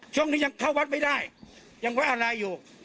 ช่วงนี้ยังเข้าวัดไม่ได้ยังว่าอะไรอยู่